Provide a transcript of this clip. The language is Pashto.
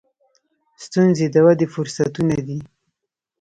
• ستونزې د ودې فرصتونه دي.